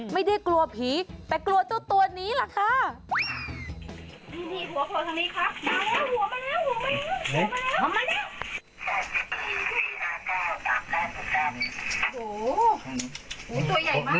ไม่ได้กลัวผีแต่กลัวเจ้าตัวนี้ล่ะค่ะ